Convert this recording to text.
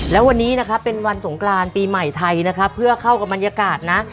แล้ววันนี้นะครับเป็นวันสงกรานปีใหม่ไทยนะครับเพื่อเข้ากับบรรยากาศนะ